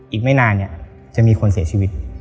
อีกไม่นานเนี่ยจะมีคนเสียชีวิต